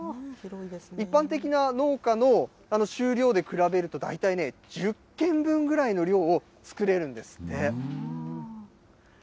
一般的な農家の収量で比べると、大体ね、１０軒分ぐらいの量を作れるんですって。